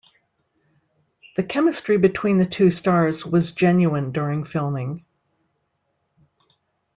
The chemistry between the two stars was genuine during filming.